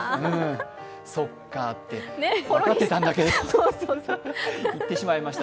そっかって分かってたんだけど言ってしましました。